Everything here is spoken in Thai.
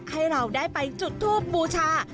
ให้เราได้ไปจุดทูบบูชา